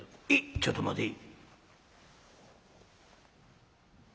「ちょっと待てい」。